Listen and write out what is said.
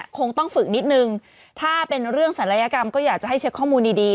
คงต้องฝึกนิดนึงถ้าเป็นเรื่องศัลยกรรมก็อยากจะให้เช็คข้อมูลดีดี